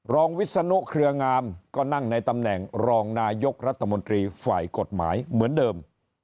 วิศนุเครืองามก็นั่งในตำแหน่งรองนายกรัฐมนตรีฝ่ายกฎหมายเหมือนเดิม